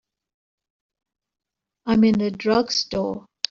I'm in a drugstore.